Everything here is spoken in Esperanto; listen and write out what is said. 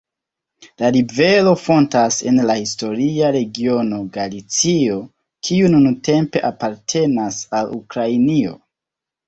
La rivero fontas en la historia regiono Galicio, kiu nuntempe apartenas al Ukrainio.